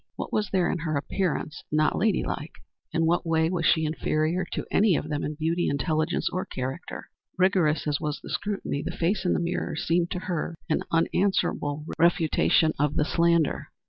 What was there in her appearance not lady like? In what way was she the inferior of any of them in beauty, intelligence or character? Rigorous as was the scrutiny, the face in the mirror seemed to her an unanswerable refutation of the slander.